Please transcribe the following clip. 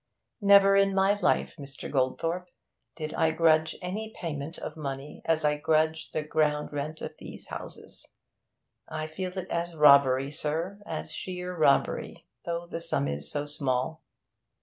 'Never in my life, Mr. Goldthorpe, did I grudge any payment of money as I grudge the ground rent of these houses. I feel it as robbery, sir, as sheer robbery, though the sum is so small.